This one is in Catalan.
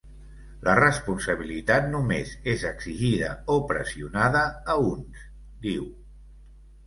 La responsabilitat només és exigida o pressionada a uns, diu.